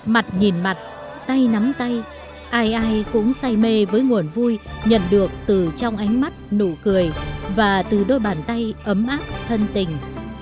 mặt nhìn mặt tay nắm tay ai ai cũng say mê với nguồn vui nhận được từ trong ánh mắt nụ cười và từ đôi bàn tay ấm áp thân tình